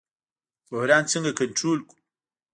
بحران څنګه کنټرول کړو؟